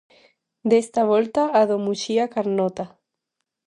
Desta volta a do Muxía-Carnota.